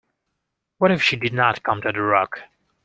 What if she did not come to the rock.